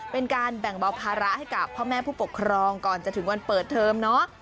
เป็นการแบ่งเบาภาระให้กับพ่อแม่ผู้ปกครองก่อนจะถึงวันเปิดเทอมเนาะ